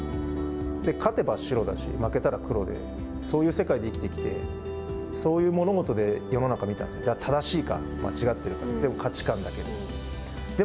勝てば白だし、負けたら黒でそういう世界で生きてきてそういう物事で世の中を見たら正しいか、間違っているか価値観だけで。